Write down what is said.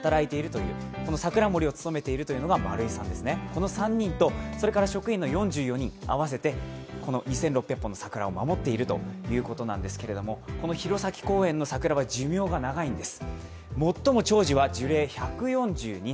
この３人と職員の４４人で合わせて２６００本の桜を守っているということなんですけど、この弘前公園の桜は寿命が長いんです。